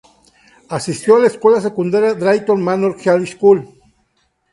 Asistió a la escuela secundaria Drayton Manor High School.